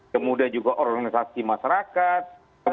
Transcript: kemudian juga organisasi masyarakat